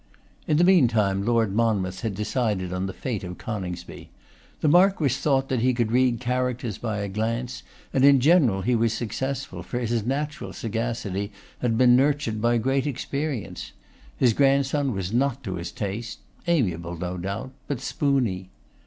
In the meantime Lord Monmouth had decided on the fate of Coningsby. The Marquis thought he could read characters by a glance, and in general he was successful, for his natural sagacity had been nurtured by great experience. His grandson was not to his taste; amiable no doubt, but spooney.